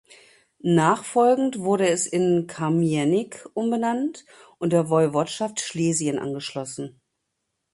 Nachfolgend wurde es in "Kamiennik" umbenannt und der Woiwodschaft Schlesien angeschlossen.